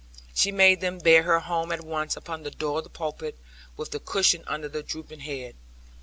She made them bear her home at once upon the door of the pulpit, with the cushion under the drooping head.